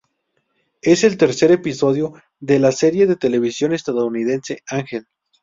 Es el tercer episodio de la de la serie de televisión estadounidense Ángel.